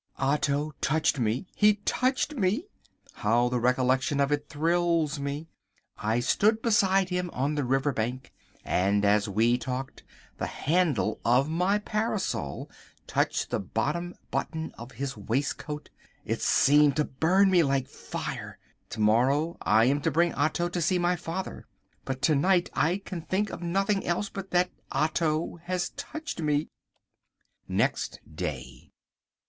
Otto touched me! He touched me! How the recollection of it thrills me! I stood beside him on the river bank, and as we talked the handle of my parasol touched the bottom button of his waistcoat. It seemed to burn me like fire! To morrow I am to bring Otto to see my father. But to night I can think of nothing else but that Otto has touched me. Next Day.